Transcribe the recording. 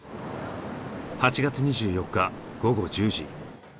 ８月２４日午後１０時。